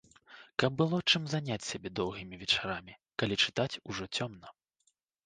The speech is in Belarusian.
Каб было чым заняць сябе доўгімі вечарамі, калі чытаць ужо цёмна.